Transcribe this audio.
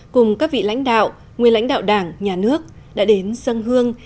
cùng các vị lãnh đạo nguyên lãnh đạo đảng nhà nước đã đến sân hương